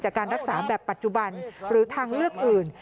การรักษาแบบปัจจุบันหรือทางเลือกอื่น